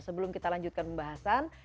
sebelum kita lanjutkan pembahasan